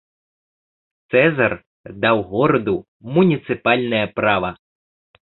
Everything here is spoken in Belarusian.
Цэзар даў гораду муніцыпальнае права.